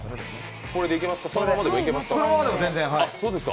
そのままでもいけますか？